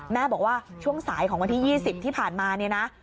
แม่บอกว่าช่วงสายของวันที่๒๐ที่ผ่านมาเนี่ยนะ